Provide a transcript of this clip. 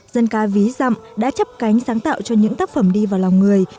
dân ca ví dặm đã chấp cánh sáng tạo cho những tác phẩm đi vào lòng người